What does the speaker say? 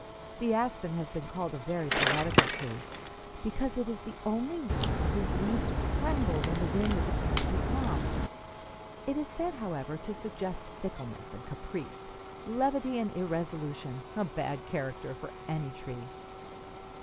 "The aspen has been called a very poetical tree, because it is the only one whose leaves tremble when the wind is apparently calm. It is said, however, to suggest fickleness and caprice, levity and irresolution a bad character for any tree.